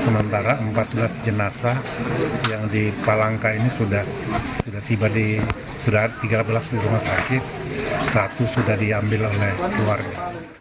sementara empat belas jenazah yang di palangka ini sudah tiba di sudah tiga belas di rumah sakit satu sudah diambil oleh keluarga